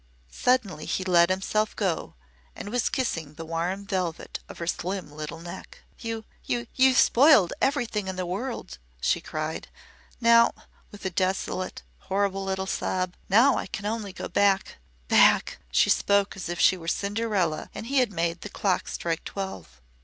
Suddenly he let himself go and was kissing the warm velvet of her slim little neck. "You you you've spoiled everything in the world!" she cried. "Now" with a desolate, horrible little sob "now I can only go back back." She spoke as if she were Cinderella and he had made the clock strike twelve.